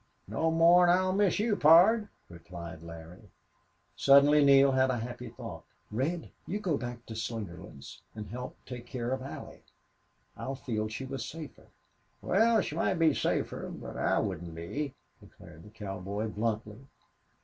"No more 'n I'll miss you, pard," replied Larry. Suddenly Neale had a happy thought. "Red, you go back to Slingerland's and help take care of Allie. I'd feel she was safer." "Wal, she might be safer, but I wouldn't be," declared the cowboy, bluntly.